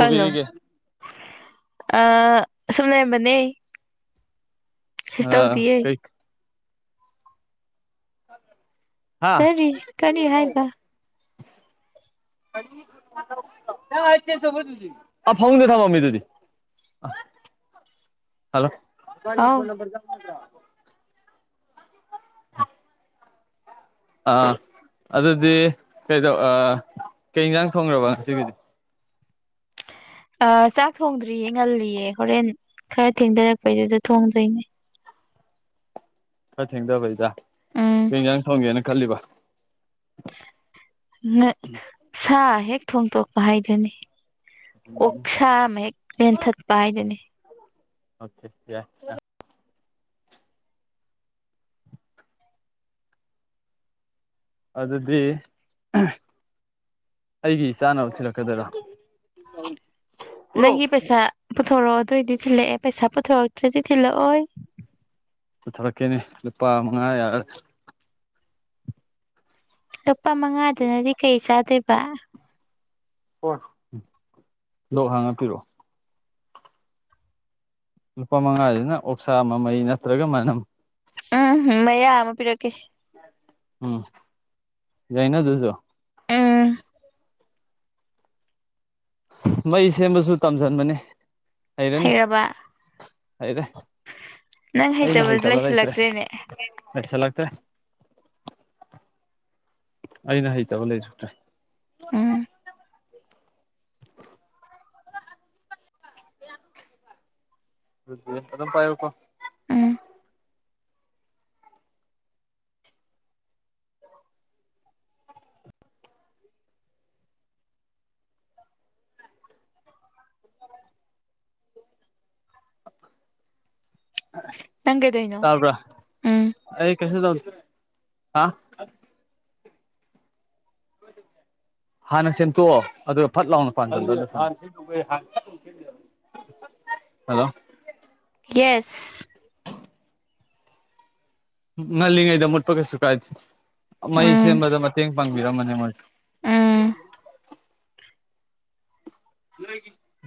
Hello ꯑ ꯁꯨꯝ ꯂꯩꯔꯝꯕꯅꯦ꯫ ꯀꯩꯁꯨ ꯑ ꯇꯧꯗꯤꯌꯦ ꯀꯩ ꯍꯥ꯫ ꯀꯔꯤ ꯀꯔꯤ ꯍꯥꯏꯕ ꯑꯥ ꯐꯃꯨꯡꯗ ꯊꯅꯝꯃꯤꯗꯨꯗꯤ꯫ ꯍꯜꯂꯣ ꯍꯥꯎ [unintelligible] ꯑꯥ ꯑꯗꯨꯗꯤ ꯀꯩꯗꯧ ꯀꯩ ꯏꯟꯖꯥꯡ ꯊꯣꯡꯈ꯭ꯔꯕ ꯉꯁꯤꯒꯤꯗꯤ꯫ ꯑ ꯆꯥꯛ ꯊꯣꯡꯗ꯭ꯔꯤꯌꯦ ꯉꯜꯂꯤꯌꯦ ꯍꯣꯔꯦꯟ ꯈꯔ ꯊꯦꯡꯊꯔꯛꯄꯩꯗꯨꯗ ꯊꯣꯡꯗꯣꯏꯅꯦ꯫ ꯈꯔ ꯊꯦꯡꯊꯕꯩꯗ ꯎꯝ ꯀꯩꯏꯟꯁꯥꯡ ꯊꯣꯡꯒꯦꯅ ꯈꯜꯂꯤꯕ꯫ ꯉꯥꯛ ꯁꯥ ꯍꯦꯛ ꯊꯣꯡꯇꯣꯛꯄ ꯍꯥꯏꯗꯨꯅꯤ꯫ ꯑꯣꯁꯥ ꯑꯃ ꯍꯦꯛ ꯂꯦꯟꯊꯠꯄ ꯍꯥꯏꯗꯨꯅꯤ꯫ ꯑꯣꯀꯦ ꯌꯥꯏ꯫ ꯑꯗꯨꯗꯤ꯫ ꯑꯩꯒꯤ ꯏꯆꯥꯅꯕ ꯊꯤꯜꯂꯛꯀꯗꯣꯏꯔꯥ꯫ ꯅꯪꯒꯤ ꯄꯩꯁꯥ ꯄꯨꯊꯣꯔꯛꯑꯣ ꯑꯗꯣꯏꯗꯤ ꯊꯤꯜꯂꯛꯑꯦ ꯄꯩꯁꯥ ꯄꯨꯊꯣꯔꯛꯇ꯭ꯔꯗꯤ ꯊꯤꯜꯂꯛꯑꯣꯏ꯫ ꯄꯨꯊꯣꯔꯛꯀꯦꯅꯦ ꯂꯨꯄꯥ ꯃꯉꯥ ꯌꯥꯔ꯫ ꯂꯨꯄꯥ ꯃꯉꯥꯗꯨꯅꯗꯤ ꯀꯩ ꯆꯥꯗꯣꯏꯕ꯫ ꯑꯣ ꯂꯣꯛ ꯍꯥꯡꯉꯄꯤꯔꯛꯑꯣ꯫ ꯂꯨꯄꯥ ꯃꯉꯥꯁꯤꯅ ꯑꯣꯛꯁꯥ ꯃꯃꯩ ꯅꯠꯇ꯭ꯔꯒ ꯃꯅꯝ ꯃꯌꯥ ꯑꯃ ꯄꯤꯔꯛꯀꯦ ꯎꯝ ꯌꯥꯏꯅ ꯗꯨꯖꯨ ꯎꯝ ꯃꯩ ꯁꯦꯝꯕꯁꯨ ꯇꯝꯖꯟꯕꯅꯦ ꯍꯩꯔꯕ ꯍꯩꯔꯦ ꯅꯪ ꯑꯩꯅ ꯍꯩꯇꯕ ꯍꯥꯏꯇꯕ ꯂꯩꯇ꯭ꯔꯦ ꯂꯩꯁꯤꯜꯂꯛꯇ꯭ꯔꯦꯅꯦ ꯂꯩꯁꯟꯂꯛꯇ꯭ꯔꯦ ꯑꯩꯅ ꯍꯩꯇꯕ ꯂꯩꯔꯛꯇ꯭ꯔꯦ ꯎꯝ [unintelligible] ꯗꯨꯗꯤ ꯑꯗꯨꯝ ꯄꯥꯏꯌꯨꯀꯣ ꯎꯝ ꯅꯪ ꯀꯩꯗꯣꯏꯅꯣ ꯇꯕ꯭ꯔꯥ ꯎꯝ ꯑꯩ ꯀꯩꯁꯨ ꯇꯧꯗꯦ ꯍꯥ ꯍꯥꯟꯅ ꯁꯦꯝꯇꯣꯛꯑꯣ ꯑꯗꯨꯒ ꯐꯠ ꯂꯥꯎꯅ ꯄꯥꯟ [unintelligible] ꯍꯜꯂꯣ ꯌꯦꯁ ꯉꯜꯂꯤꯉꯩꯗ ꯃꯨꯠꯄ ꯀꯩꯁꯨ ꯀꯥꯏꯗꯦ ꯃꯩ ꯎꯝ ꯁꯦꯝꯕꯗ ꯃꯇꯦꯡ ꯄꯥꯡꯕꯤꯔꯝꯕꯅꯦ ꯃꯣꯏꯁꯦ ꯎꯝ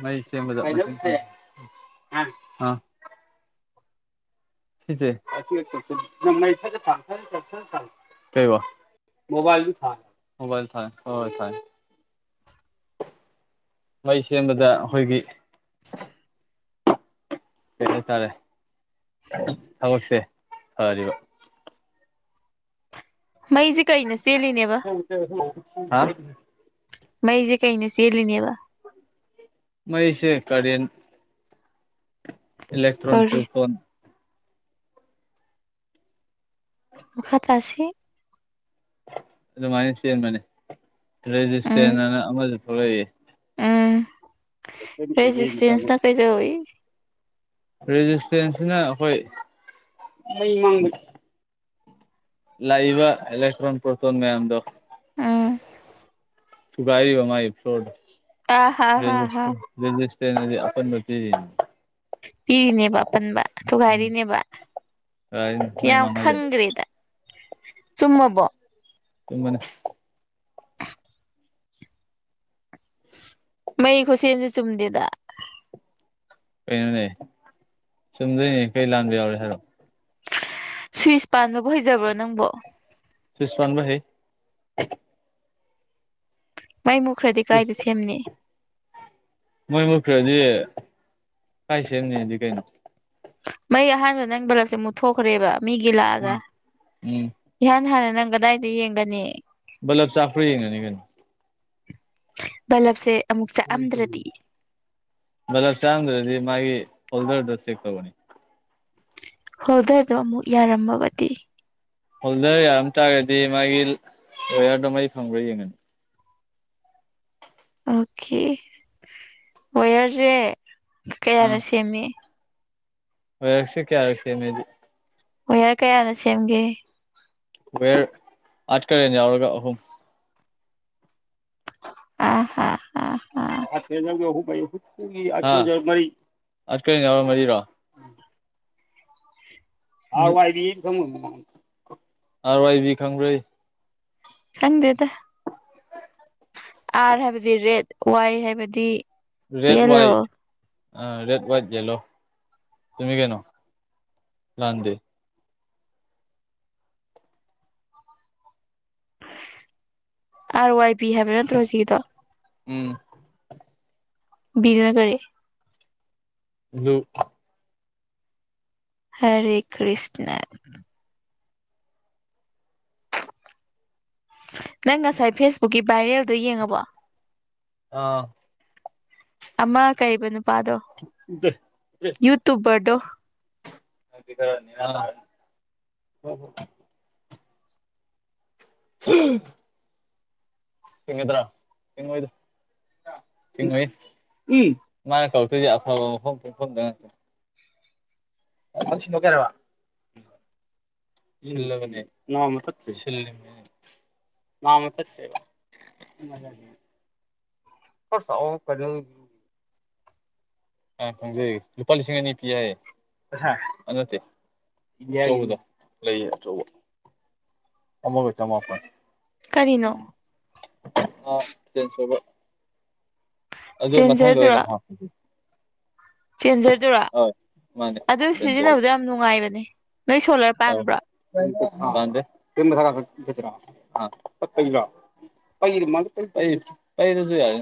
ꯃꯩ ꯁꯦꯝꯕꯗ ꯑꯥ [unintelligible] ꯃꯣꯕꯥꯥꯏꯜ ꯗꯨ ꯊꯥꯜ ꯃꯣꯕꯥꯥꯏꯜ ꯊꯥꯏ ꯍꯣ ꯍꯣꯏ ꯊꯥꯏ ꯃꯩ ꯁꯦꯝꯕꯗ ꯑꯈꯣꯏꯒꯤ ꯀꯩ ꯍꯥꯏꯇꯥꯔꯦ ꯊꯕꯛꯁꯦ ꯐꯔꯤꯕ ꯃꯩꯖꯦ ꯀꯩꯅ ꯆꯦꯜꯂꯤꯅꯦꯕ [unintelligible] ꯍꯥ ꯃꯩꯖꯦ ꯀꯩꯅ ꯆꯦꯜꯂꯤꯅꯦꯕ ꯃꯩꯁꯦ ꯀꯔꯦꯟ ꯑꯦꯂꯦꯛꯇ꯭ꯔꯣꯟ ꯀꯔꯤ ꯀꯦꯐꯣꯟ ꯃꯈꯥ ꯇꯥꯁꯤ ꯑꯗꯨꯃꯥꯏꯅ ꯆꯦꯟꯕꯅꯦ ꯎꯝ ꯔꯦꯖꯁꯇꯦꯟꯅ ꯑꯃꯁꯨ ꯊꯣꯔꯛꯏ ꯔꯦꯖꯤꯁꯇꯦꯟꯁ ꯅ ꯀꯩꯗꯧꯏ ꯔꯦꯖꯤꯁꯇꯦꯟꯁꯁꯤꯅ ꯑꯈꯣꯏ ꯃꯩ ꯃꯥꯡꯕꯒꯤ ꯂꯥꯛꯏꯕ ꯑꯦꯂꯦꯛꯇ꯭ꯔꯣꯟ ꯄ꯭ꯔꯣꯇꯣꯟ ꯃꯌꯥꯝꯗꯣ ꯑꯥ ꯊꯨꯒꯥꯏꯔꯤꯕ ꯃꯥꯒꯤ ꯐ꯭ꯂꯣꯔꯗ ꯑꯥ ꯍꯥ ꯍꯥ ꯍꯥ [unintelligible] ꯔꯦꯖꯤꯁꯇꯦꯟꯁ ꯍꯥꯏꯗꯤ ꯑꯄꯟꯕ ꯄꯤꯔꯤꯅꯤ ꯄꯤꯔꯤꯅꯦꯕ ꯑꯄꯟꯕ ꯎꯝ ꯊꯨꯒꯥꯏꯔꯤꯅꯦꯕ ꯀꯔꯥꯏꯗꯩꯅꯣ ꯃꯩ ꯌꯥꯝ ꯃꯥꯡꯍꯜꯂꯤ ꯈꯪꯒ꯭ꯔꯦꯗ ꯆꯨꯝꯃꯕꯣ ꯆꯨꯝꯕꯅꯦ ꯃꯩ ꯈꯨꯁꯦꯝꯖꯦ ꯆꯨꯝꯗꯦꯗ ꯀꯩꯅꯣꯅꯦ ꯆꯨꯝꯗꯣꯏꯅꯦ ꯀꯩ ꯂꯥꯟꯕ ꯌꯥꯎꯔꯦ ꯍꯥꯏꯔꯣ ꯁ꯭ꯋꯤꯁ ꯄꯥꯟꯕꯕꯨ ꯍꯩꯖꯕ꯭ꯔꯣ ꯅꯪꯕꯣ ꯁ꯭ꯋꯤꯁ ꯄꯥꯟꯕ ꯍꯩ ꯃꯩ ꯃꯨꯛꯈꯔꯗꯤ ꯀꯥꯏꯗ ꯁꯦꯝꯅꯤ ꯃꯨ ꯃꯨꯠꯈ꯭ꯔꯗꯤ ꯀꯥꯏ ꯁꯦꯝꯅꯤ ꯍꯥꯏꯗꯤ ꯀꯩꯅꯣ ꯃꯩ ꯑꯍꯥꯟꯕꯗ ꯅꯪ ꯕꯂꯞꯁꯦ ꯃꯨꯠꯊꯣꯛꯈ꯭ꯔꯦꯕ ꯃꯤꯒꯤ ꯂꯥꯛꯑꯒ ꯎꯝ ꯏꯍꯥꯟ ꯍꯥꯟꯅ ꯅꯪ ꯀꯗꯥꯏꯗ ꯌꯦꯡꯒꯅꯤ ꯕꯂꯞ ꯆꯥꯛꯄꯔ ꯌꯦꯡꯒꯅꯤ ꯀꯩꯅꯣ ꯕꯜꯂꯕꯁꯦ ꯕꯂꯞ ꯆꯥꯛꯎꯝꯗꯔ꯭ꯗꯤ ꯃꯥꯒꯤ ꯍꯣꯜꯗꯔꯗꯣ ꯆꯦꯛ ꯇꯣꯑꯣ ꯍꯣꯜꯗꯔꯗꯨꯣ ꯑꯃꯨꯛ ꯌꯥꯔꯝꯃꯕꯗꯤ ꯍꯣꯜꯗꯔ ꯌꯥꯔꯝ ꯇꯥꯔꯒꯗꯤ ꯃꯥꯒꯤ ꯋꯦꯌꯔꯗꯣ ꯃꯩ ꯐꯪꯕ꯭ꯔꯥ ꯌꯦꯡꯒꯅꯤ ꯑꯣꯀꯦ ꯋꯦꯌꯔꯁꯦ ꯑꯥ ꯀꯌꯥꯅ ꯁꯦꯝꯃꯤ ꯋꯦꯌꯔꯁꯦ ꯀꯌ꯭ꯥꯔꯛ ꯁꯦꯝꯃꯤꯗꯤ ꯋꯦꯌꯔ ꯀꯌꯥꯅ ꯁꯦꯝꯒꯦ꯫ ꯋꯦꯌꯔ ꯑꯔꯠ ꯀꯔꯦꯟꯠ ꯌꯥꯎꯔꯒ ꯑꯍꯨꯝ ꯑ ꯍꯥ ꯑ ꯑ [unintelligible] [unintelligible] ꯑꯔꯠ ꯀꯔꯦꯟꯠ ꯌꯥꯎꯔꯒ ꯃꯔꯤꯔꯣ ꯅꯥꯍꯋꯥꯏ ꯗꯤ [unintelligible] ꯅꯥꯍꯋꯥꯏꯗꯤ ꯈꯪꯕꯩ [unintelligible] ꯈꯪꯗꯦꯗ ꯑꯥꯔ ꯍꯥꯏꯕꯗꯤ ꯔꯦꯠ ꯋꯥꯏ ꯍꯥꯏꯕꯗꯤ red yellow white R red white yellow ꯂꯣꯏꯔꯦ ꯀꯩꯅꯣ ꯂꯥꯟꯗꯦ ꯑꯥꯔ ꯋꯥꯏ ꯕꯤ ꯍꯥꯏꯕ ꯅꯠꯇ꯭ꯔꯣ ꯍꯧꯖꯤꯛꯒꯤꯗꯣ ꯎꯝ ꯕꯤꯅ ꯀꯥꯔꯤ ꯕꯂꯨ ꯍꯔꯦ ꯀ꯭ꯔꯤꯁꯅ ꯅꯪ ꯉꯁꯥꯏ ꯐꯦꯁꯕꯨꯛꯀꯤ ꯕꯏꯔꯦꯜꯗꯣ ꯌꯦꯡꯉꯕꯣ ꯑꯥ ꯑꯃ ꯀꯩꯕ ꯅꯨꯄꯥꯗꯣ ꯎꯗ ꯌꯨꯇꯨꯕꯔꯗꯣ [unintelligible] [unintelligible] ꯊꯦꯡꯉꯗꯔ ꯊꯦꯡꯉꯣꯏꯗ ꯊꯦꯡꯉꯣꯏ ꯎꯝ ꯃꯥꯅ ꯀꯧꯇꯣꯏꯁꯦ ꯑꯐꯕ ꯃꯐꯝ ꯄꯨꯟꯐꯝꯗ ꯑꯣꯟ ꯁꯤꯗꯣꯛꯀꯦ ꯍꯥꯏꯔꯣ꯫ ꯁꯤꯜꯂꯕꯅꯦ ꯅꯝꯃꯥ ꯈꯛꯇꯥ ꯁꯤꯜꯂꯤ ꯃꯥꯃ ꯆꯠꯈꯔꯦ [unintelligible] ꯐꯖꯅꯤ ꯑ ꯈꯪꯖꯩꯌꯦ ꯂꯨꯄꯥ ꯂꯤꯁꯤꯡ ꯑꯅꯤ ꯄꯤ ꯌꯥꯏꯌꯦ ꯑꯗꯨ ꯅꯠꯇꯦ ꯂꯩꯔꯔꯣꯏꯗ ꯂꯩꯌꯦ ꯑꯆꯧꯕ ꯑꯃꯒꯥ ꯆꯥꯃꯄꯟ ꯀꯔꯤꯅꯣ [unintelligible] ꯑꯗꯨ ꯃꯊꯪꯗ ꯆꯦꯟꯖꯔꯗꯨꯔꯥ ꯑꯣꯏꯅ ꯍꯥꯞ ꯆꯦꯟꯁꯔꯗꯨꯔꯣ ꯑꯗꯨ ꯆꯦꯟꯖꯔ ꯁꯤꯖꯤꯟꯅꯕꯗꯣ ꯌꯥꯝ ꯅꯨꯡꯉꯥꯏꯕꯅꯦ ꯅꯣꯏ ꯁꯣꯂꯔ ꯑꯧ ꯄꯥꯟꯕ꯭ꯔꯣ ꯄꯟꯗꯦ [unintelligible] ꯄꯩꯕꯥ ꯃꯥꯟꯒꯨꯝ ꯇꯧꯏ ꯄꯩꯔ꯭ꯁꯨ ꯌꯥꯏ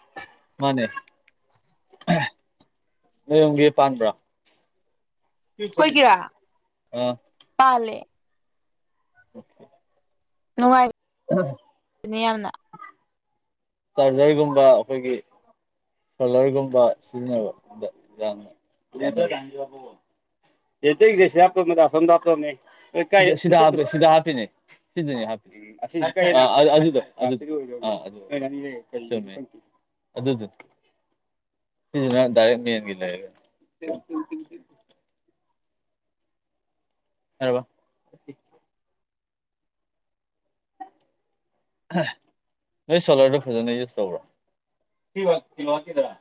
[unintelligible] ꯃꯥꯅꯦ ꯅꯣꯏꯔꯣꯝꯒꯤ ꯄꯥꯟꯕꯔꯣ꯫ ꯑ [unintelligible] ꯄꯥꯂꯦ ꯑꯣꯀꯦ [unintelligible] ꯅꯨꯡꯉꯥꯏ ꯎꯝ [unintelligible] ꯇꯅꯦ ꯌꯥꯝꯅ ꯆꯥꯔꯖꯔꯒꯨꯝꯕ ꯑꯈꯣꯏꯒꯤ ꯁꯣꯂꯔꯒꯨꯝꯕ ꯁꯤꯖꯤꯟꯅꯕꯗ ꯌꯥꯝ [unintelligible] [unintelligible] ꯁꯤꯗ ꯍꯥꯞꯄꯦ ꯁꯤꯗ ꯍꯥꯞꯄꯤꯅꯦ ꯁꯤꯗꯅꯦ ꯍꯥꯞꯄꯤ ꯑꯥ ꯑꯗꯨ ꯑꯗꯨꯗꯣ ꯑꯗꯨꯗꯣ ꯑꯥ ꯑꯗꯨꯗꯣ ꯆꯨꯝꯃꯦ ꯑꯗꯨꯗꯣ ꯁꯤꯖꯤꯅ ꯗꯥꯏꯔꯦꯛ ꯃꯦꯟꯒꯤ ꯂꯩꯔꯦ ꯌꯥꯔꯕꯥ ꯅꯣꯏ ꯁꯣꯂꯔꯗꯨ ꯐꯖꯅ ꯌꯨꯁ ꯇꯧꯕ꯭ꯔꯣ ꯊ꯭ꯔꯤ ꯋꯥꯠ ꯀꯤꯂꯣ ꯋꯥꯠꯀꯤꯗꯨꯔꯥ